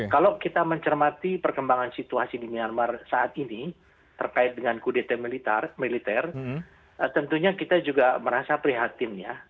kalau kita mencermati perkembangan situasi di myanmar saat ini terkait dengan kudeta militer tentunya kita juga merasa prihatin ya